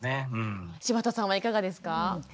柴田さんはいかがですか？